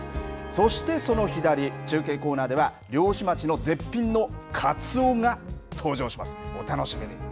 そして、その左中継コーナーでは漁師町の絶品のかつおが登場します。